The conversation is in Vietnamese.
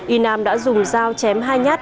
y nam đã dùng dao chém hai nhát